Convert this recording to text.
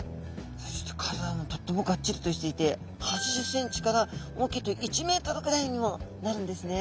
そして体もとってもガッチリとしていて８０ｃｍから大きいと１ｍぐらいにもなるんですね。